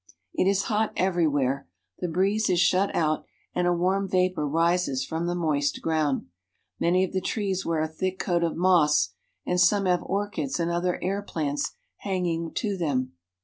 It is hot everywhere. The breeze is shut out and a warm vapor rises from the moist ground. Many of the trees wear a thick coat of moss and some have orchids and other air plants hanging to them.